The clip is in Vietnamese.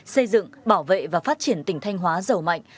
xây dựng bảo vệ và phát triển tỉnh thanh hóa giàu mạnh